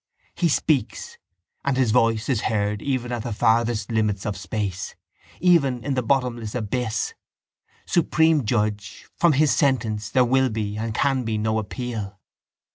He speaks: and His voice is heard even at the farthest limits of space, even in the bottomless abyss. Supreme Judge, from His sentence there will be and can be no appeal.